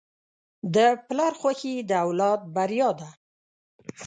د پلار خوښي د اولاد بریا ده.